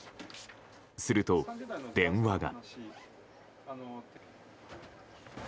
すると電話が。